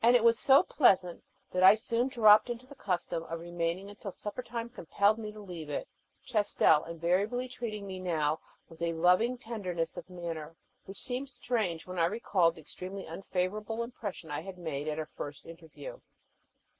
It was so pleasant that I soon dropped into the custom of remaining until supper time compelled me to leave it, Chastel invariably treating me now with a loving tenderness of manner which seemed strange when I recalled the extremely unfavorable impression I had made at our first interview.